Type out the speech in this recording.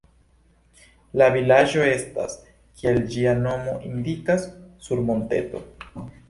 La vilaĝo estas, kiel ĝia nomo indikas, sur monteto.